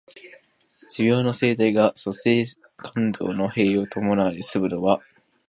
需要の盛大が粗製濫造の弊を伴わないで済むのは、